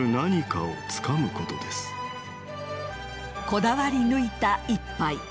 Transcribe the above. こだわり抜いた一杯。